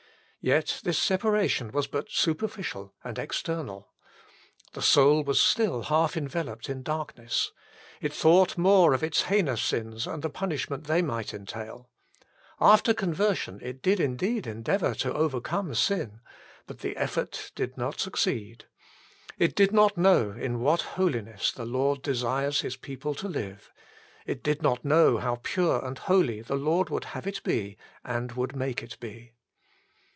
Yet this separation was but superficial and external. The soul was still half enveloped in darkness : it thought more of its heinous sins and the punishment they might entail. After conversion it did indeed endeavour to overcome sin, but the effort did not succeed. It did not 1 Isa. Ix. 22 (R.V.). HOW IT IS TO BE FOUND BY ALL 155 know in what holiness the Lord desires His people to live : it did not know how pure and holy the Lord would have it be and would make it be.